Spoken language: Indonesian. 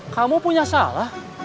kamu punya salah